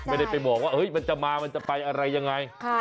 ไม่ได้ไปบอกว่ามันจะมามันจะไปอะไรยังไง